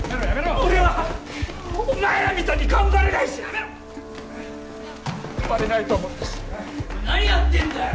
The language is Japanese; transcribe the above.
俺はお前らみたいに頑張れないしバレないと思ったし・何やってんだよ